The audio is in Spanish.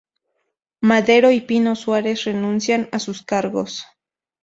Madero y Pino Suárez renuncian a sus cargos.